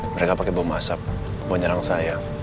mereka pakai bom asap mau nyerang saya